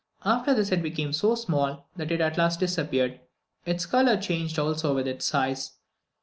After this it became so small that it at last disappeared. Its colour changed also with its size.